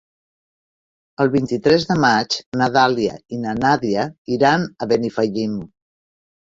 El vint-i-tres de maig na Dàlia i na Nàdia iran a Benifallim.